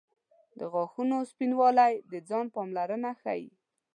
• د غاښونو سپینوالی د ځان پاملرنه ښيي.